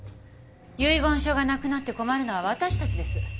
遺言書がなくなって困るのは私たちです。